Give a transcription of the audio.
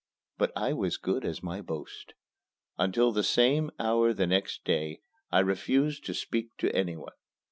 But I was as good as my boast. Until the same hour the next day I refused to speak to anyone.